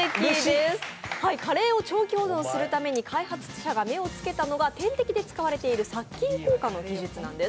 カレーを長期保存するために開発者が目を付けたのは点滴で使われている殺菌効果の技術なんです。